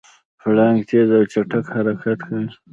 پړانګ تېز او چټک حرکت کوي.